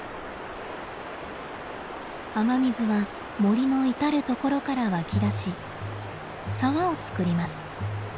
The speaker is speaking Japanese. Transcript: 雨水は森の至る所から湧き出し沢を作ります。